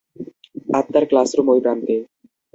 আপনার ক্লাসরুম ঐ প্রান্তে।